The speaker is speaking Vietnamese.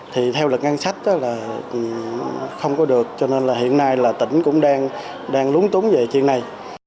thì theo lực ngân sách là không có được cho nên là hiện nay là tỉnh cũng đang lúng túng về chuyện này